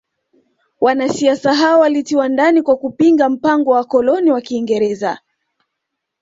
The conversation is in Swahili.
Wanasiasa hao walitiwa ndani kwa kupinga mpango wa wakoloni wa kiingereza